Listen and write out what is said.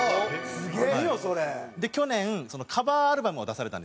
すげえ！